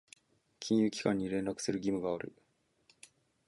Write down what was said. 金融機関に連絡する義務がある。